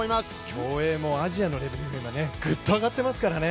競泳もアジアのレベルがグッと上がっていますからね。